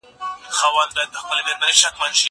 زه له سهاره زدکړه کوم!